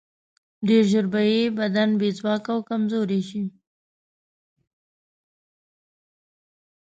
ډېر ژر به یې بدن بې ځواکه او کمزوری شي.